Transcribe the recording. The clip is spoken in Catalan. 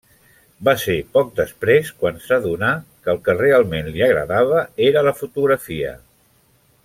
Va ser poc després quan s'adonà que el que realment li agradava era la fotografia.